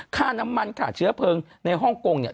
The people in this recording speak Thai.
ค่าน้ำมันค่าเชื้อเพลิงในฮ่องกงเนี่ย